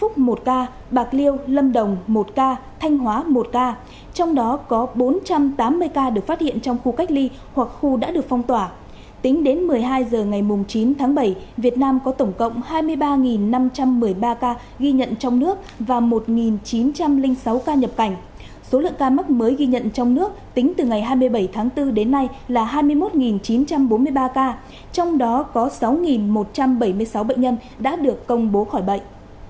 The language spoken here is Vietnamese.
số lượng ca mắc mới ghi nhận trong nước tính từ ngày hai mươi bảy tháng bốn đến nay là hai mươi một chín trăm bốn mươi ba ca trong đó có sáu một trăm bảy mươi sáu bệnh nhân đã được công bố khỏi bệnh